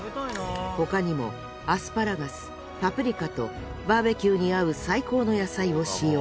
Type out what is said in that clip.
他にもアスパラガスパプリカとバーベキューに合う最高の野菜を使用。